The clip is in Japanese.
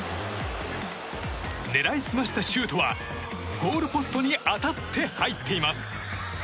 狙い澄ましたシュートはゴールポストに当たって入っています。